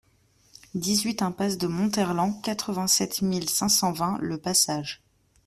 dix-huit impasse de Montherlant, quarante-sept mille cinq cent vingt Le Passage